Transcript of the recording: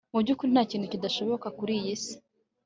mubyukuri ntakintu kidashoboka kuriyi si